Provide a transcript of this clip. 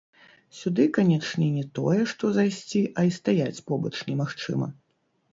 Сюды, канечне, не тое, што зайсці, а і стаяць побач немагчыма.